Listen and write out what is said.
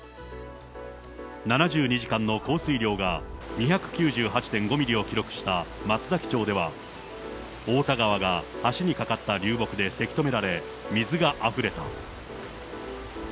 ７２時間の降水量が２９８．５ミリを記録した松崎町では、太田川が橋にかかった流木でせき止められ、水があふれた。